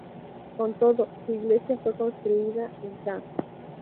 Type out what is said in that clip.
Con todo, su iglesia fue construida en ca.